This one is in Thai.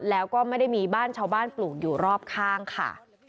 แล้วก็ไม่ได้มีบ้านชาวบ้านปลูกอยู่รอบข้างค่ะ